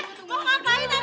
kok ngapain tadi tadi